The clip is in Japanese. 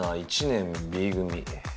１年Ｂ組。